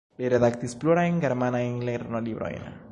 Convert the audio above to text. Li redaktis plurajn germanajn lernolibrojn.